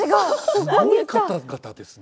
すごい方々ですね